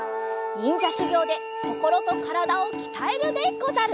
にんじゃしゅぎょうでこころとからだをきたえるでござる！